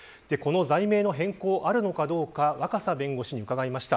罪名の変更、あるのかどうか若狭弁護士に伺いました。